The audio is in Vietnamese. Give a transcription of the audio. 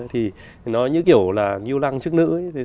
thì nó như kiểu là nghiêu lăng chức nữ ấy